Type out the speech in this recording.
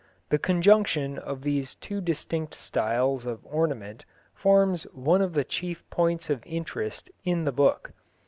The conjunction of these two distinct styles of ornament forms one of the chief points of interest in the book.